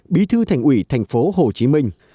bí thư thành ủy thành phố hồ chí minh